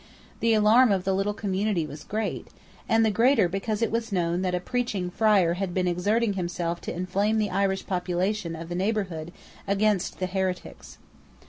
The alarm of the little community was great, and the greater because it was known that a preaching friar had been exerting himself to inflame the Irish population of the neighbourhood against the heretics.